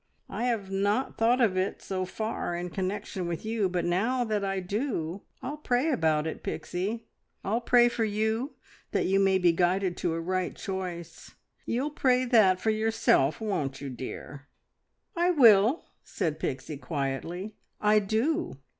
I have not thought of it so far in connection with you, but now that I do I'll pray about it, Pixie! I'll pray for you, that you may be guided to a right choice. You'll pray that for yourself, won't you, dear?" "I will," said Pixie quietly. "I do.